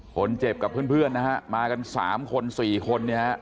คนเจ็บกับเพื่อนนะฮะมากัน๓คน๔คนเนี่ยฮะ